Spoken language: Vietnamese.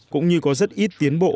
cũng như có rất ít tiến bộ